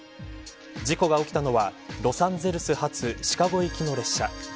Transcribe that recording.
事故が起きたのはロサンゼルス発シカゴ行きの列車。